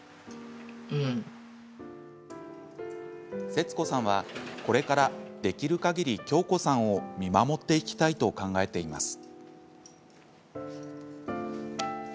節子さんは、これからできるかぎり恭子さんを見守っていきたいと考えています。